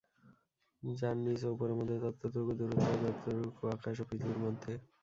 যার নিচ ও উপরের মধ্যে ততটুকু দূরত্ব, যতটুকু আকাশ ও পৃথিবীর মধ্যে।